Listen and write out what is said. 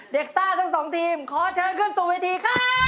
เด็กซ่าทั้ง๒ทีมขอเชิญขึ้นสู่วิธีครับ